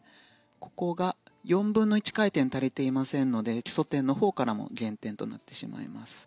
ここが４分の１回転足りていませんので基礎点のほうからも減点となってしまいます。